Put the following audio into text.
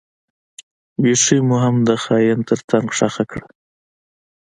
بټرۍ مو هم د ماين تر څنګ ښخه کړه.